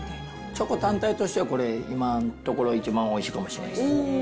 チョコ単体としてはこれ、今のところ一番おいしいかもしれないです。